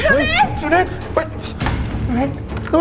ดูนิทดูนิท